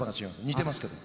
似てますけど。